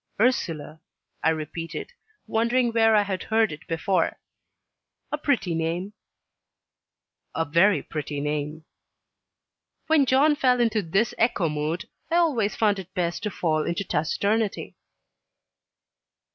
"Ursula!" I repeated, wondering where I had heard it before. "A pretty name." "A very pretty name." When John fell into this echo mood I always found it best to fall into taciturnity.